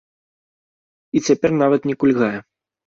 І цяпер нават не кульгае.